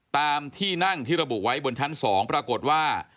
ตามที่นั่งที่ระบุไว้บนชั้น๒ปรากฏว่า